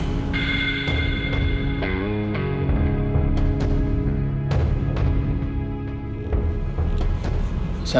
tapi setidaknya ada satu orang yang percaya